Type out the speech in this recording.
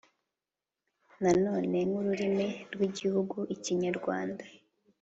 Nanone nk’ururimi, rw’Igihugu, Ikinyarwanda